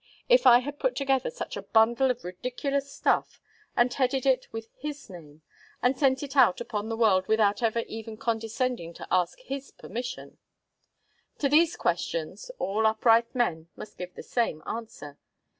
if I had put together such a bundle of ridiculous stuff, and headed it with his name, and sent it out upon the world without ever even condescending to ask his permission? To these questions, all upright men must give the same answer.